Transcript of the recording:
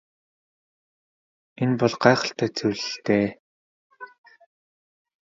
Энэ бол гайхалтай зүйл л дээ.